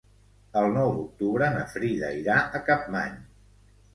El nou d'octubre na Frida irà a Capmany.